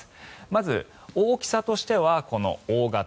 まず、大きさとしては大型。